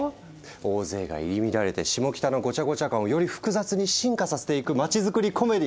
大勢が入り乱れてシモキタのごちゃごちゃ感をより複雑に進化させていく街づくりコメディー。